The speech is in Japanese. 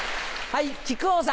はい。